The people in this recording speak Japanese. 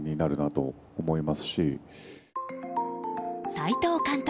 齊藤監督